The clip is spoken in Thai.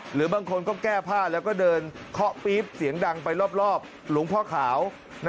หรือบางคนก็แก้ผ้าแล้วก็เดินเคาะปี๊บเสียงดังไปรอบหลวงพ่อขาว